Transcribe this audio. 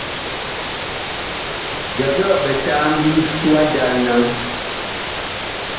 Byɔbyɔɔ bitambi wa jal naŋ ?